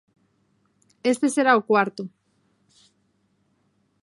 Este será o cuarto.